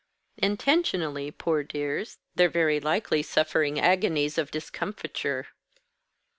"Intentionally, poor dears, they're very likely suffering agonies of discomfiture."